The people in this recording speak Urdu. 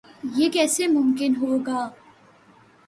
یہ کیسے ممکن ہو گا؟